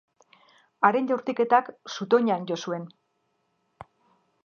Haren jaurtiketak zutoinan jo zuen.